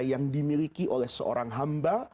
yang dimiliki oleh seorang hamba